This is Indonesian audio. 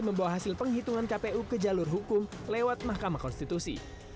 membawa hasil penghitungan kpu ke jalur hukum lewat mahkamah konstitusi